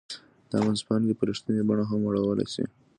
دا منځپانګې په رښتینې بڼه هم اړولای شي